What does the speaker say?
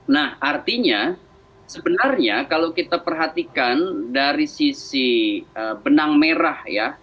nah artinya sebenarnya kalau kita perhatikan dari sisi benang merah ya